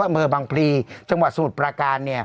เมืองบางพรีจังหวัดสมุทรปราการ